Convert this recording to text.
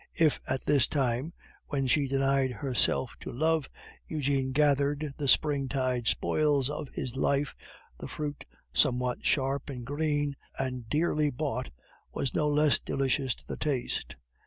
If, at this time, while she denied herself to love, Eugene gathered the springtide spoils of his life, the fruit, somewhat sharp and green, and dearly bought, was no less delicious to the taste.